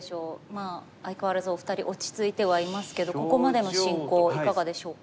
まあ相変わらずお二人落ち着いてはいますけどここまでの進行いかがでしょうか？